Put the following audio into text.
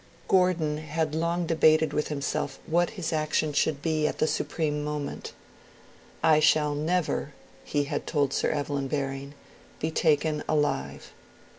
Gordon had long debated with himself what his action should be at the supreme moment. 'I shall never (D.V.),' he had told Sir Evelyn Baring, 'be taken alive.'